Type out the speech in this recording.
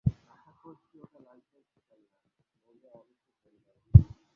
আশা করছি ওটা লাইসেন্সড খেলনা, নইলে আমি খুব রেগে যাবো।